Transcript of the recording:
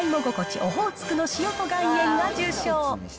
オホーツクの塩と岩塩が受賞。